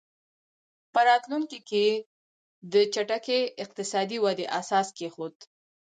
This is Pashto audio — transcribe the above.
په راتلونکي کې یې د چټکې اقتصادي ودې اساس کېښود.